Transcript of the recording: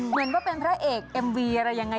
เหมือนว่าเป็นพระเอกเอ็มวีอะไรอย่างนั้น